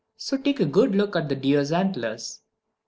So take a good look at the deer's antlers.